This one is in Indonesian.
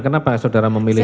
kenapa saudara memilihnya